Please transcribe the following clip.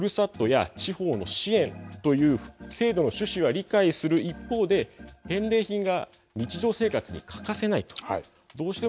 また、国民の間でもふるさとや地方の支援という制度の趣旨は理解する一方で返礼品が日常生活に欠かせない。